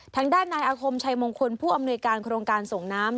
ทางด้านนายอาคมชัยมงคลผู้อำนวยการโครงการส่งน้ำ